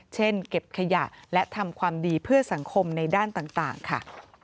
เก็บขยะและทำความดีเพื่อสังคมในด้านต่างค่ะ